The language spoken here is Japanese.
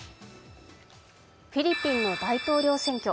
フィリピンの大統領選挙。